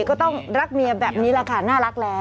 ก็ต้องรักเมียแบบนี้แหละค่ะน่ารักแล้ว